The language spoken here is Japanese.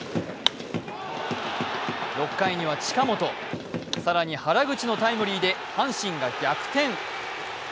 ６回には近本、更に原口のタイムリーで阪神が逆転。